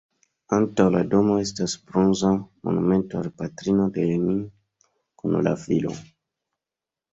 Antaŭ la domo estas bronza monumento al patrino de Lenin kun la filo.